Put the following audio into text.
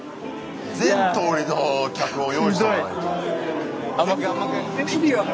全通りの脚本を用意しとかないと。